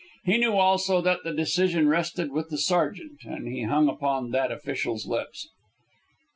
He knew, also, that the decision rested with the sergeant, and he hung upon that official's lips.